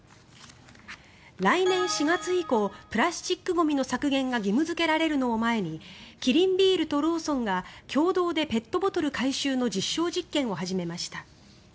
来年４月以降プラスチックゴミの削減が義務付けられるのを前にキリンビールとローソンが共同でペットボトル回収の実証実験を始めました。